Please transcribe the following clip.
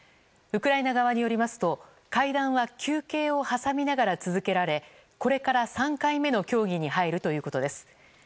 ウクライナ側によりますと会談は休憩をはさみながら続けられこれから３回目の協議に入るということです。